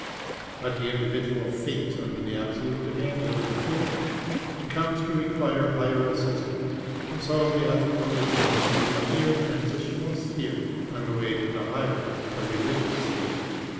But the individual faints under the absolute demand of infinity, and comes to require higher assistance ; and so the ethical is shown to be a mere transitional sphere on the way to the higher, the religions existence.